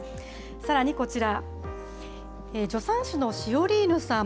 さらにこちら、助産師のシオリーヌさん。